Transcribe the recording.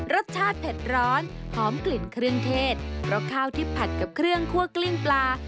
รสชาติเผ็ดร้อนหอมกลิ่นเครื่องเทศเพราะข้าวที่ผัดกับเครื่องคั่วกลิ้งปลา